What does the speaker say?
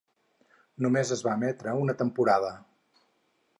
Només es va emetre una temporada.